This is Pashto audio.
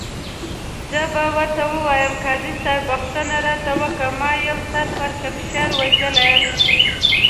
زه به ورته ووایم، قاضي صاحب بخښنه راته وکړه، ما یو سر پړکمشر وژلی.